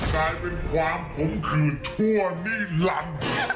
กลายเป็นความขมขื่นทั่วนี่ลัน